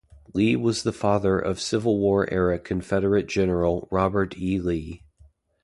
Lee was the father of Civil War-era Confederate general Robert E. Lee.